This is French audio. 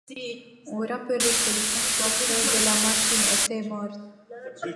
On rappelait que le constructeur de la machine était mort.